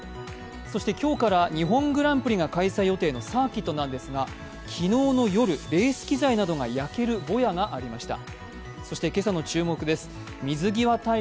そして今日から日本グランプリが開催予定のサーキットなんですが昨日の夜、レース機材などが焼けるぼやがありました。